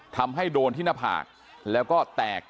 ทำให้โดนที่หน้าผากแล้วก็แตก